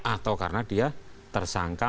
atau karena dia tersangka